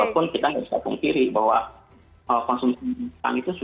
walaupun kita tidak bisa pungkiri bahwa konsumsi kita itu sudah sangat luas